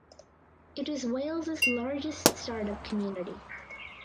It is Wales’s largest startup community.